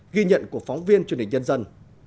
ghi nhận của phóng viên truyền hình dân dân